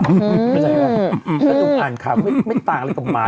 ถ้าฉันหุบปากก็เหมือนกับให้หนุ่มหยุดอ่านค้า